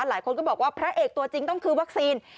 หลายคนก็บอกว่าพระเอกตัวจริงต้องคือวัคซีน